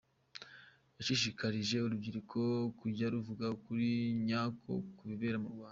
Yashishikarije urubyiruko kujya ruvuga ukuri nyako ku bibera mu Rwanda.